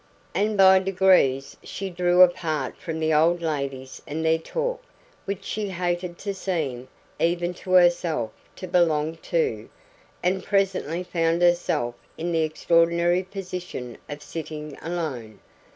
And by degrees she drew apart from the old ladies and their talk, which she hated to seem, even to herself, to belong to, and presently found herself in the extraordinary position of sitting alone.